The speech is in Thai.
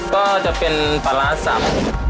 ก็จะเป็นปลาร้าสับ